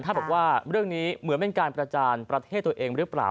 ถ้าบอกว่าเรื่องนี้เหมือนเป็นการประจานประเทศตัวเองหรือเปล่า